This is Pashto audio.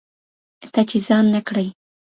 ته چي ځان نه کړې